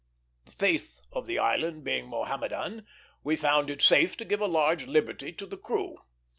The faith of the island being Mohammedan, we found it safe to give a large liberty to the crew.